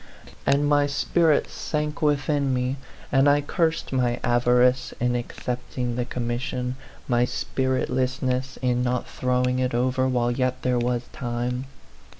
And my spirit sank within me, and I cursed my avarice in accepting the commission, my spiritlessness in not throwing it over while yet there was time.